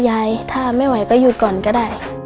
ยายถ้าไม่ไหวก็หยุดก่อนก็ได้